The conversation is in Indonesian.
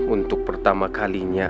untuk pertama kalinya